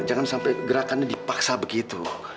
jangan sampai gerakannya dipaksa begitu